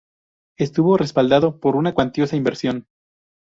Estuvo respaldado por una cuantiosa inversión.